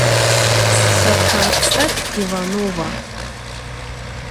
Slhekhuats'er Yivanova.